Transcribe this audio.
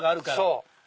そう。